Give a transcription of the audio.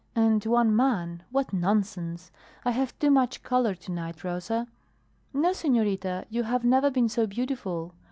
And one man what nonsense! I have too much color to night, Rosa." "No, senorita, you have never been so beautiful.